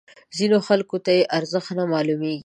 ځینو خلکو ته یې ارزښت نه معلومیږي.